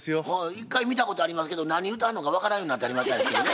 一回見たことありますけど何言うてはんのか分からんようになってはりましたですけどね。